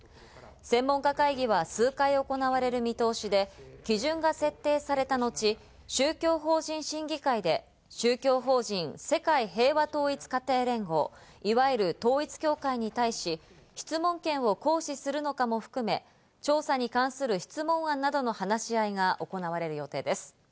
専門家会議は数回行われる見通しで、基準が設定された後、宗教法人審議会で宗教法人・世界平和統一家庭連合、いわゆる統一教会に対し、質問権を行使するのかも含め、調査に関する質問案などの話し合いが行われる予定です。